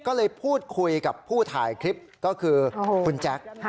ก็เลยพูดคุยกับผู้ถ่ายคลิปก็คือคุณแจ๊ค